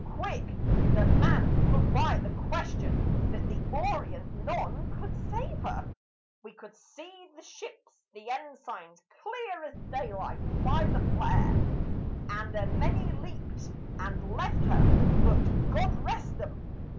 Quick the man put by the question. "But the Orient, none could save her; We could see the ships, the ensigns, clear as daylight by the flare; And a many leaped and left her; but, God rest 'em!